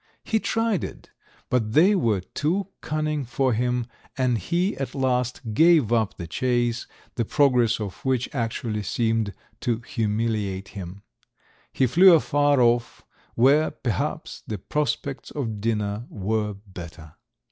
He tried it, but they were too cunning for him, and he at last gave up the chase, the progress of which actually seemed to humiliate him. He flew afar off, where, perhaps, the prospects of dinner were better.